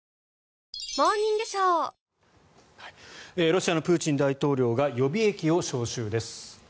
ロシアのプーチン大統領が予備役を招集です。